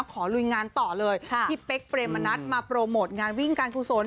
ลุยงานต่อเลยพี่เป๊กเปรมมณัฐมาโปรโมทงานวิ่งการกุศล